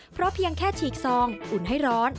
เพราะเพียงแค่ฉีกซองอุ่นให้ร้อน